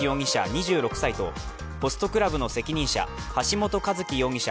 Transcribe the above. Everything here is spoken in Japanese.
２６歳とホストクラブの責任者、橋本一喜容疑者